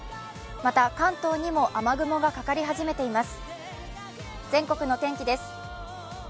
また、関東にも雨雲がかかり始めています。